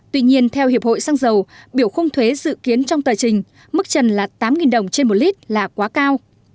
tuy nhiên theo hiệp hội xăng dầu biểu khung thuế dự kiến trong tờ trình mức trần là tám đồng trên một lít là quá cao